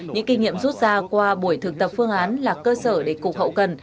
những kinh nghiệm rút ra qua buổi thực tập phương án là cơ sở để cục hậu cần